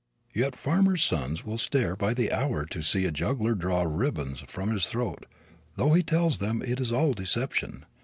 Yet farmer's sons will stare by the hour to see a juggler draw ribbons from his throat, though he tells them it is all deception.